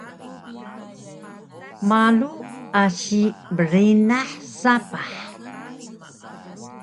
malu asi brinah sapah